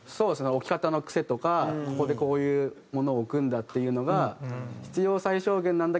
置き方の癖とかここでこういうものを置くんだっていうのが。